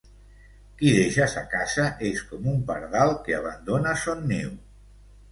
Qui deixa sa casa és com un pardal que abandona son niu.